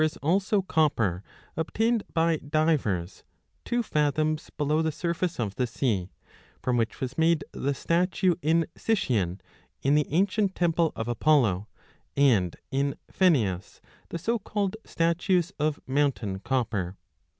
Ilfi AUSCULTATIONIBUS 52 63 is also copper, obtained by divers, two fathoms below the surface of the sea, from which was made the statue in Sicyon in the ancient temple of Apollo, and in Pheneus the so called statues of mountain copper.